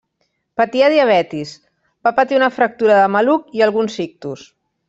Patia diabetis, va patir una fractura de maluc i alguns ictus.